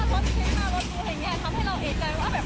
ศึกเขาลงมาเกาะเห็นแค่คนเดียวค่ะ